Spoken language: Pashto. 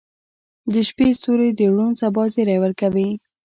• د شپې ستوري د روڼ سبا زیری ورکوي.